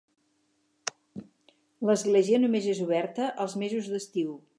L'església només és oberta els mesos d'estiu.